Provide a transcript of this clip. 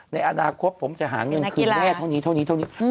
ในอนาคตผมจะหาเงินขึ้นแม่เท่านี้ำนักกีฬา